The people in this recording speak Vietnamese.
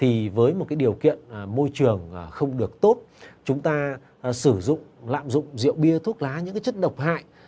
thì với một cái điều kiện môi trường không được tốt chúng ta sử dụng lạm dụng rượu bia thuốc lá những cái chất độc hại